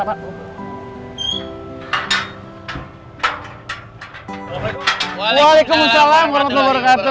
waalaikumsalam warahmatullahi wabarakatuh